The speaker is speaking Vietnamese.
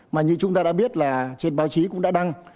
mà như chúng ta đã biết là trên báo chí cũng đã đăng